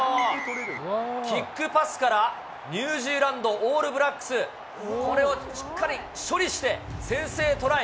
キックパスから、ニュージーランド、オールブラックス、これをしっかり処理して、先制トライ。